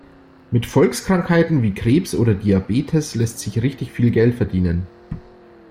Mit Volkskrankheiten wie Krebs oder Diabetes lässt sich richtig viel Geld verdienen.